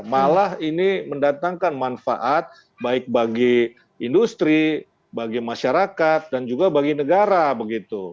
malah ini mendatangkan manfaat baik bagi industri bagi masyarakat dan juga bagi negara begitu